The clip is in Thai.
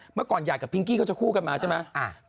เมื่อก่อนหยาดกับพิงกี้เขาจะคู่กันมาใช่ไหม